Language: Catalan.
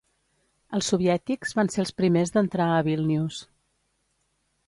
Els soviètics van ser els primers d'entrar a Vílnius.